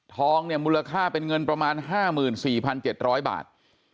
ทองเนี่ยมูลค่าเป็นเงินประมาณ๕๔๗๐๐บาท